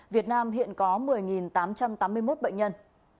việt nam hiện có một mươi tám trăm tám mươi một bệnh nhân